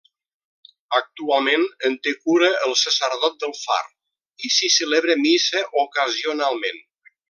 Actualment en te cura el sacerdot del Far i s'hi celebra missa ocasionalment.